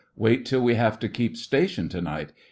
'Wait till we have to keep station to night.